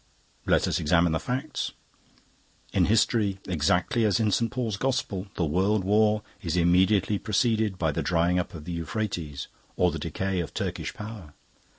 "Let us examine the facts. In history, exactly as in St. John's Gospel, the world war is immediately preceded by the drying up of Euphrates, or the decay of Turkish power.